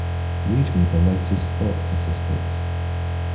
Read me the latest sports statistics.